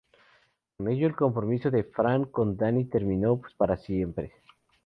Con ello, el compromiso de Fran con Danny terminó para siempre.